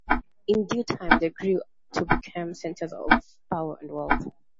In due time they grew to become centres of power and wealth.